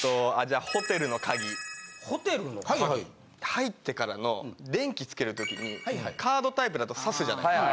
入ってからの電気つける時にカードタイプだと差すじゃないですか。